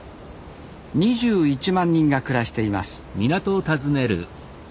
２１万人が暮らしています